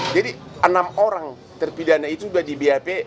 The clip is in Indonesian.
jadi enam orang terpidana itu sudah di bhp